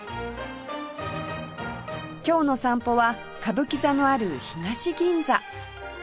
今日の散歩は歌舞伎座のある東銀座